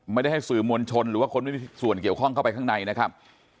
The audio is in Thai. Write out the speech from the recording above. ให้สื่อมวลชนหรือว่าคนไม่มีส่วนเกี่ยวข้องเข้าไปข้างในนะครับ